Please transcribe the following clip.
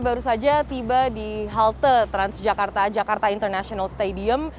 baru saja tiba di halte transjakarta jakarta international stadium